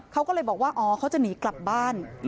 เขาก็เลยบอกว่าอ๋อเขาจะหนีกลับบ้าน